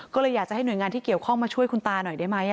ก็เลยอยากจะให้หน่วยงานที่เกี่ยวข้องมาช่วยคุณตาหน่อยได้ไหม